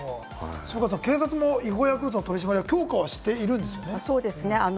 警察も違法薬物取り締まり強化はしているんですよね。